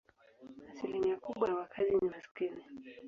Asilimia kubwa ya wakazi ni maskini.